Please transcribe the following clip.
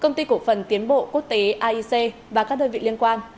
công ty cổ phần tiến bộ quốc tế aic và các đơn vị liên quan